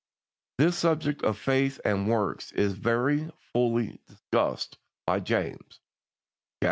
This subject of faith and works is very fully discussed by James (chap.